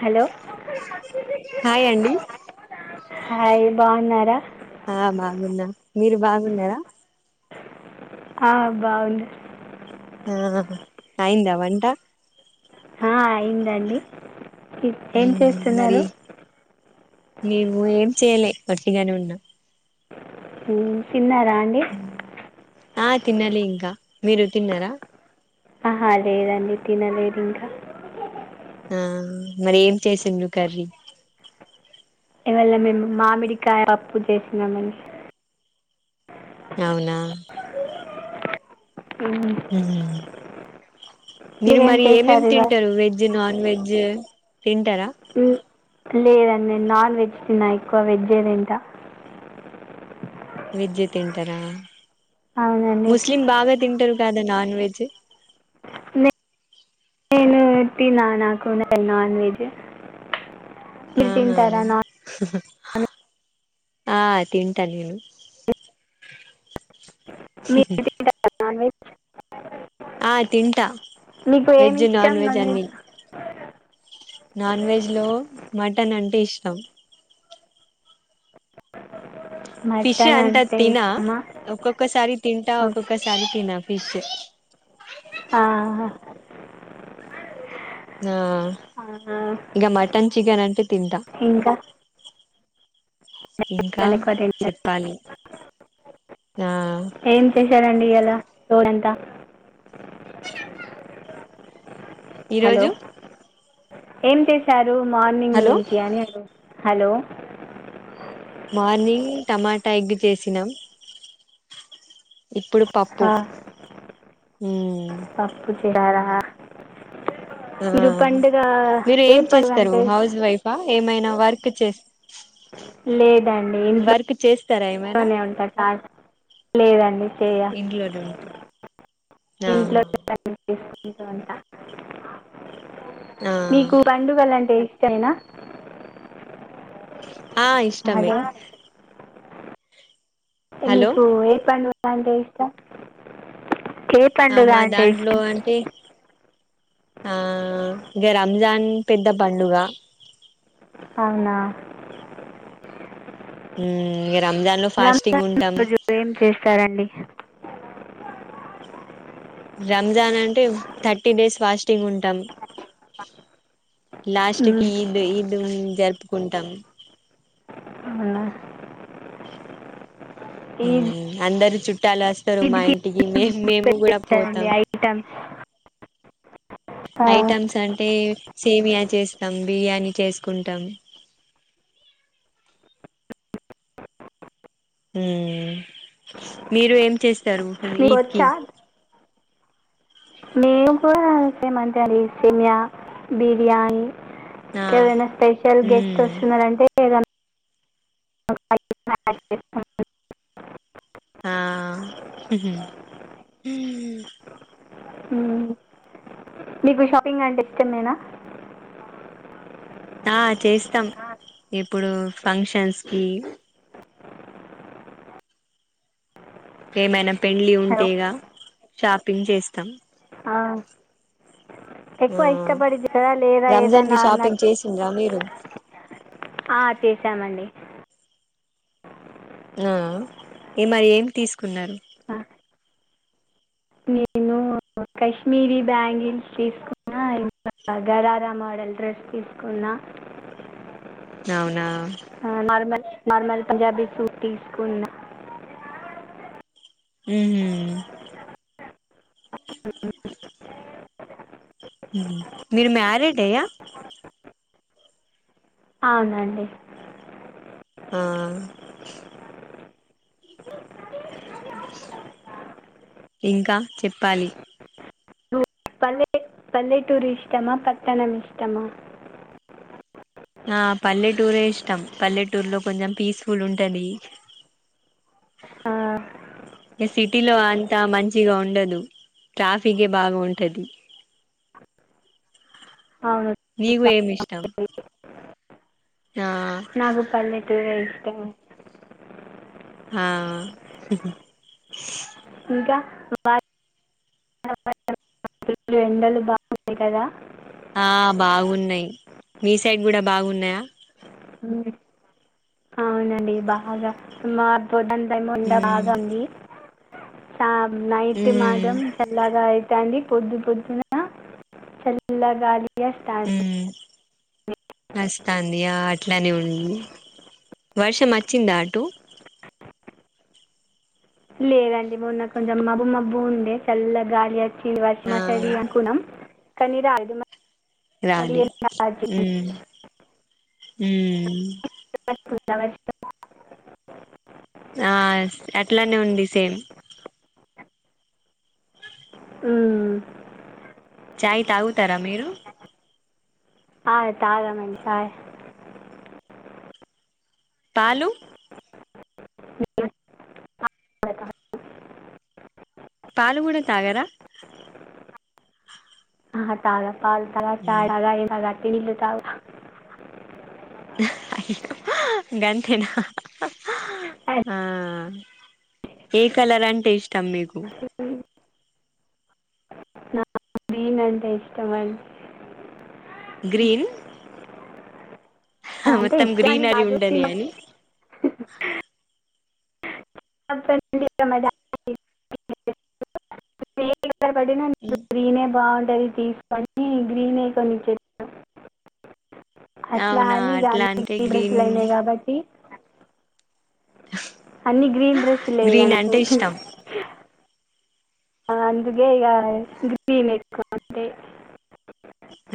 Hello hi అండి hi బాగున్నారా ఆ బాగున్నా మీరు బాగున్నారా ఆ బాగుంది ఆ అయందా వంట అయిందండి ఏం చేస్తున్నారు మేవు ఏం చేయాల వట్టిగానే ఉన్నా తిన్నారా అండి ఆ తినాలి ఇంకా మీరు తిన్నారా ఆహా లేదండి తినలేదు ఇంకా ఆ మరి ఏం చేసింది కర్రీ ఇవల్ల మేము మామిడికాయ అప్పు చేసినామం అవునా ఉమ్, హ మీరు మీరేం మరి ఏమేమి చేశారు ఇవాళ తింటారు వెజ్ నాన్ వెజ్ తింటారా లేదండి నాన్ వెజ్ తిన ఎక్కువ వెజ్ తింట విజ్ తింటారా అవునండి ముస్లిం బాగా తింటారు కదా నన్ వెెజ్ నే- నేను తిన నాకు ఉన్న నాన్ వెజ్ మీరు ఆహా తింటారా నాన్ హ ఆ తింటా నేను స మీరు తింటారా నాన్ వెజ్ ఆ తింటా మీకు ఏమి వెజ్ ఇష్టం నాన్ వెజ్ అన్ని నాన్ వెజ్లో మ మటన్ అంటే ఇష్టం అ ఫిష్ అంత తిన ఒక్కొక్కసారి తింటా ఓకే ఒక్కొక్కసారి తినన్ ఫిష్ ఆహ ఆ ఇక మటన్ చికెన్ అంటే తింటా ఇంకా ఇంకా మటన్ ఎక్కువ తింటారు చెప్పాలి ఆ ఏం చేశారంండి ఇయాల తోడంతా హలో ఈరోజు ఏం చేశారు మార్నింగ్ హలో నుంచి అని హలో మార్నింగ్ టమాట ఎగ్ చేసినాం ఇప్పుడు పప్పు ఉమ్ పప్పుూ తిండార ఆ మీరు ఏ ఏం పండుగ చేస్తారు అంటే ఇష్టం హౌస్ వైఫా ఏమైన వర్క్ చేస్ లేదండి ఇంట్ వర్క్ చేస్తారా ఏమైనా లోనే ఉంట కాక్ లేదండి చేయ ఇంట్లోనే ఉంటా ఇంట్లో ఆ [unintelligible] ఆ [unintelligible] మీకు పండుగల అంటే ఇష్టమేన ఆ ఇష్టమే అంటె హలో మీకు ఏ పండుగ లంటే ఇష్టం ఏ అ పండుగ మా అంటే దాంట్లో ఇష్టం అంటే ఆ ఇక రంజాన్ పెద్ద పండుగ అవున మ్ ఇక రంజాన్లో ఫాస్టింగ్ ఉంటాం రోజు ఏం చేస్తారండి రంజాన్ అంటే థర్టీ డేస్ ఫాస్టింగ్ ఉంటుంది ఉమ్ లాస్ట్ కి మ్మ్. ఈద్ ఈదు జరుపు ఉంటామ్ హవున అందర్ చుట్టాలొస్తారు మా ఈద్కి ఇంటికి మే ఏం మేము కూడా చేస్తారండి పోతాం ఐటమ్స్ ఆ, ఐటమ్స్ అంటే సేమియా చేస్తాం బిర్యానీ చేస్కుంటాం మీరు ఏం చేస్తారు అసల మీకు ఈద్ కి వచ్చా మేము కూడ సేమంతె రసిమయా బిర్యానీ ఆ ఇంకేదైన స్పెషల్ గెస్ట్ మ్మ్ వస్తున్నారంటే [inaudible] ఆ ఉహ్ ఉమ్ మీకు షాపింగ్ అంటే ఇష్టమేనా ఆ చేస్తాం ఇప్పుడో ఫంక్షన్స్ కి ఏమైన పెళ్లి ఉంటే హలో ఇగ షాపింగ్ చేస్తాం ఆ ఆ ఎక్కువ ఇష్టపడిద్ది కదా లేదా ఏద రంజాన్ కి నా న షాపింగ్ చేసిండ్రా మీరు ఆ చేసామండి ఆ ఈ మ ఏమ్ తీసుకున్నారు త నేను కశ్మీరీ బ్యాంగిల్స్ తీసుకున్నా ఇగారారా మోడల్ డ్రెస్ తీసుకున్నా అవునా ఆ, నార్మల్ నార్మల్ పంజాబీ సూట్ తీసుకున్న ఉహూ మీరు మ్యారేడ్ేయా అవునండి ఆ ఇంకా చెప్పాలి పల పల్లెటూరు ఇష్టమా పట్టణం ఇష్టమా ఆ పల్లెటూరే ఇష్టం పల్లెటూర్ లో కొంచెం పీస్ఫుల్ ఉంటాది ఆ, ఇగ సిటీలో అంతా మంచిగా ఉండదు ట్రాఫిక్కే బాగా ఉంటాది అవును నీగు ఏమీ ఇష్టం ఆ నాకు పల్లెటూరు ఎ ఇష్టం హ ఇంకా బాయ లు ఎండలు బాగున్నాయి కదా ఆ బాగున్నాయి మీ సైడ్ కూడా బాగున్నాయా అవునండి బాగా మా సదన్ టై ఉండ ఉమ్ భాగంది సా నైట్ ఉమ్ మాత్రం చల్లగాయి ాండి పొద్దు పొద్దున చల్లగాలియా స్టార్ట్ ఉమ్ వస్తాంది ఆ అట్లానే ఉంది వర్షం వచ్చిందా అటు లేదండి మొన్న కొంచెం మబ్బు మబ్బు ఉండే చల్ల గాలి అ చి ఇగ వర్షం ఆ అత్తది అనుకున్నాం కానీ రాలే రాలే ఉ ఉమ్ తు [unintelligible] ఆ అట్లానే ఉంది సేమ్ ఉమ్ చాయ్ తాగుతారా మీరు ఆ తగ్గం మండి చాయ్ పాలు [unintelligible] కూడా తాగాం. పాలు కూడా తగ్గారా ఆహా తగా పాలు తాగ ఉమ్. చాయ్ తాగ వట్టి నీళ్ళు తగ్గుతా గాంతేనా ఐస్ ఆ ఏ కలర్ అంటే ఇష్టం మీకు క్రీమ్. నా గ్రీన్ అంటే ఇష్టమండి గ్రీన్ హ అంటే మొత్తం ఇష్టమని గ్రీనరీ కాదు ఉండనీ చిన్న అని [unintelligible] గ్రీన్ ఏ బాగుంట [unintelligible] తీసుకొని గ్రీన్ కొనీచ్చ అట్లా అవునా అని ఇగ అట్లా అని అంటే డ్రెస్సులు గ్రీన్ అయినాయి కాబట్టి అన్నిీ గ్రీన్ డ్రెస్సులేయిగా గ్రీన్ నాకు అంటే ఇష్టం అందుకే ఇగ గ్రీన్ ఎక్కువ అంటే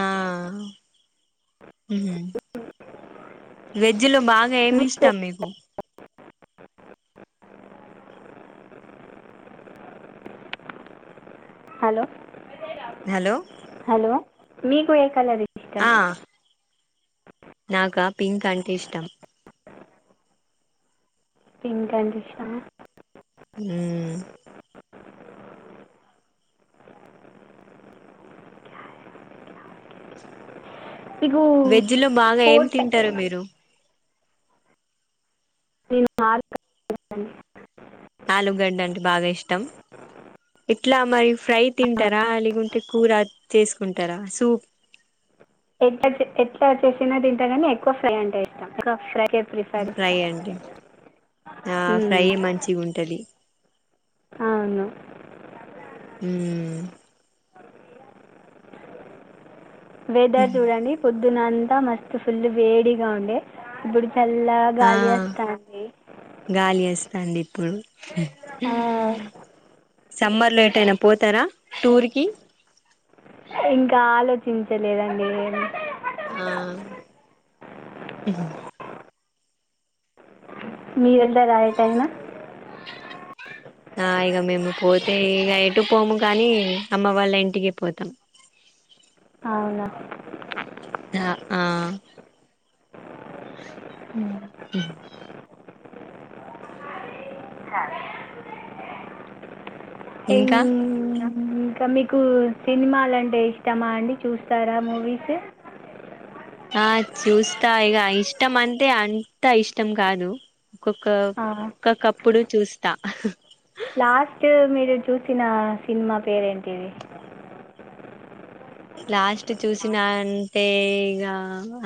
ఆ ఉహు వెజ్ లో బాగా ఏమ్ ఇష్టం మీకు హలో హలో హలో మీకు ఏ కలర్ ఇష్టం ఆ నాకా పింక్ అంటే ఇష్టం పింక్ అంటే ఇష్టమా ఉమ్ మీకు వెజ్ లో బాగా ఏం స్పోర్ట్స్ తింటారు మీరు నేనుండి [unintelligible] ఆలుగడ్డ అంటే బాగా ఇష్టం ఇట్లా మరి ఫ్రై తింటారా లేకుంటే కూర చేసుకుంటారా సూప్ ఎట్లా ఎట్లా చేసినా తింటకాని ఎక్కువ ఫ్రై అంటే ఇష్టం ఎక్కువ ఫ్రై ఫ్రై అంటే ఆ ఫ్రై మ్మ్. మంచి గుంటది అవును ఉమ్ వెదర్ జూడండి పొద్దునంతా మస్త్ ఫుల్ వేడిగా ఉండే ఇప్పుడు చల్ల ఆ గాలి వస్తాంది తండిప్పుడు ఉమ్ సమ్మర్ లో ఏటైనా పోతారా టూర్ కి ఇంకా ఆలోచించలేదండి ఆ హుహూ మీరేళ్ళరా యెటైనా ఆ ఇగ మేము పోతే ఇగ ఎటు పోము గానీ అమ్మ వాళ్ళ ఇంటికి పోతాం అవునా ఆ ఆ మ్మ్. ఉమ్ ఇంకా ఇంగా ఇంకా మీకు సినిమాలంటే ఇష్టమా అండి చూస్తారా మూవీస్ ఆ చూస్తా ఇగ ఇష్టం అంటే అంత ఇష్టం కాదు ఒక్కొక్క ఒకొకప్పుడు చూస్తా లాస్ట్ మీరు చూసిన సినిమా పేరేంటిది లాస్ట్ చూసిన అంటే ఇగ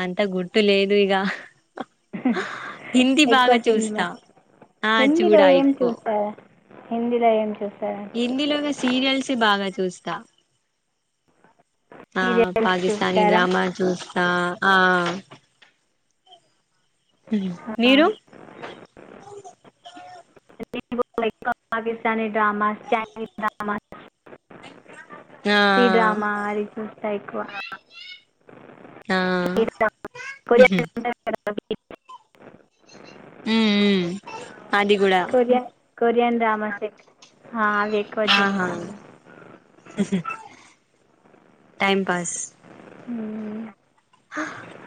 అంత గుర్తు లేదు ఇగ హిందీ ఎక్కువ బాగా సినిమా చూస్తా ఆ హిందీలో చూడా ఏం ఎక్కువ చూసారా హిందీలో ఏం చూ హిందీలోనే సీరియల్స్ బాగా చూస్తా ఆ సీరియల్స్ పాకిస్తానీ చూస్తారా డ్రామా చూస్తా ఆ మీరు పాకిస్తానీ డ్రామా చైనీస్ డ్రామా ఆ సి డ్రామా అది చూస్తా ఎక్కువ ఆ ఉహు [unintelligible] ఉమ్ ఉమ్ అది గూడా కొరియన్ కొరియన్ డ్రామాసే ఆహా టైం పాస్ ఉమ్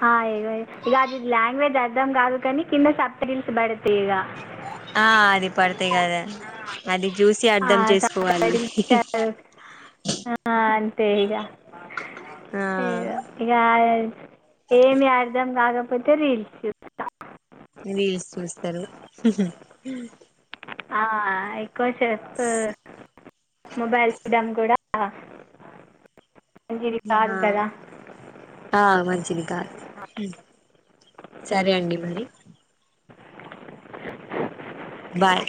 హాయిగ ఇగ అది లాంగ్వేజ్ అర్థం గాదు గానీ కింద సబ్ టిల్స్ బడ్ ఆ అది పడ్డాయి గదా జూసి అర్ధం చేసుకోవాలి సంప్రదించారు అంతే ఇగ ఆ ఇగ ఇగ ఏమి అర్థం గాక పోతే రూల్స్ జూస్త రీల్స్ చూస్తరు ఆ ఎక్కువ సేపు మొబైల్ చూడం గూడా ఆ ఆ ఆ మంచిది కాదు సరే అండి మరి బాయ్